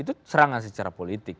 itu serangan secara politik